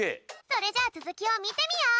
それじゃあつづきをみてみよう！